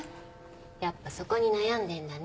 やっぱそこに悩んでんだね。